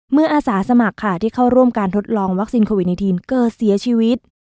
อาสาสมัครค่ะที่เข้าร่วมการทดลองวัคซีนโควิด๑๙เกิดเสียชีวิต